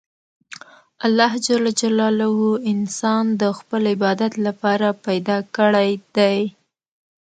الله جل جلاله انسان د خپل عبادت له پاره پیدا کړى دئ.